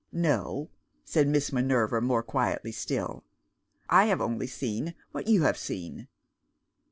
"No," said Miss Minerva more quietly still; "I have only seen what you have seen."